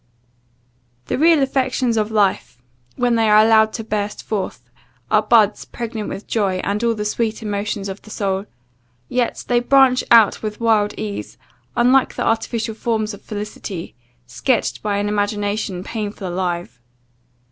The real affections of life, when they are allowed to burst forth, are buds pregnant with joy and all the sweet emotions of the soul; yet they branch out with wild ease, unlike the artificial forms of felicity, sketched by an imagination painful alive.